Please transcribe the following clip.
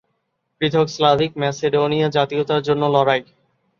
পৃথক Slavic Macedonia জাতীয়তার জন্য লড়াই।